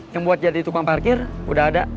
yang buat jadi tukang parkir udah ada